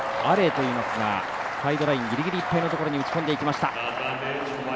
サイドラインギリギリいっぱいのところに打ち込んでいきました。